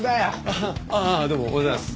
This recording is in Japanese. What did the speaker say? あっああどうもおはようございます。